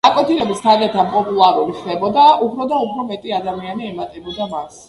გაკვეთილებიც თანდათანობით პოპულარული ხდებოდა, უფრო და უფრო მეტი ადამიანი ემატებოდა მას.